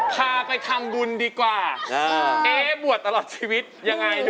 พาไปทำบุญดีกว่าเอ๊บวชตลอดชีวิตยังไง